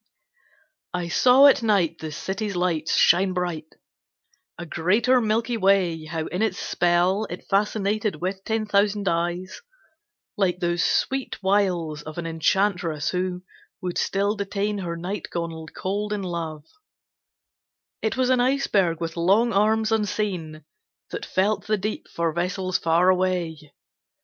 I saw at night the City's lights shine bright, A greater milky way; how in its spell It fascinated with ten thousand eyes; Like those sweet wiles of an enchantress who Would still detain her knight gone cold in love; It was an iceberg with long arms unseen, That felt the deep for vessels far away.